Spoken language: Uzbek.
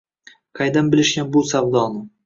Qaydan bilishgan bu savdoni?